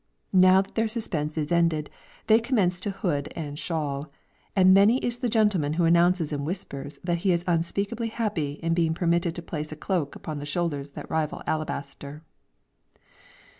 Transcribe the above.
Now that their suspense is ended, they commence to hood and shawl; and many is the gentleman who announces in whispers that he is unspeakably happy in being permitted to place a cloak upon shoulders that rival alabaster.